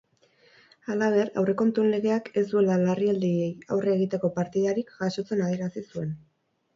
Halaber, aurrekontuen legeak ez duela larrialdiei aurre egiteko partidarik jasotzen adierazi zuen.